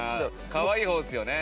かわいい方ですよね？